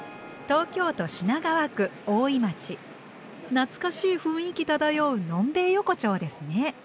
懐かしい雰囲気漂うのんべえ横丁ですね。